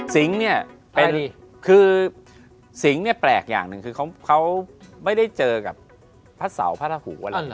สิงห์เนี่ยเป็นคือสิงห์เนี่ยแปลกอย่างหนึ่งคือเขาไม่ได้เจอกับพระเสาพระราหูอะไร